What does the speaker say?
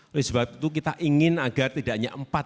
oleh sebab itu kita ingin agar tidak hanya empat